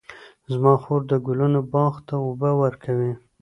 زما خور د ګلانو باغ ته اوبه ورکوي.